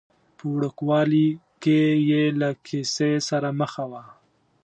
په وړوکوالي کې یې له کیسې سره مخه وه.